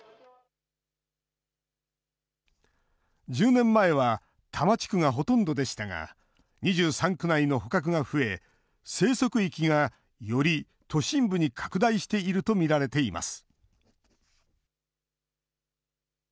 １０年前は多摩地区がほとんどでしたが、２３区内の捕獲が増え、生息域がより都心部に拡大していると見られています。